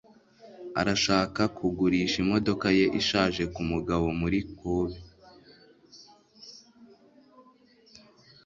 Arashaka kugurisha imodoka ye ishaje kumugabo muri Kobe.